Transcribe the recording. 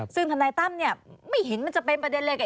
ซึ่งทนายตั้มไม่เห็นมันจะเป็นประเด็นเลย